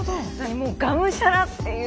がむしゃらっていう。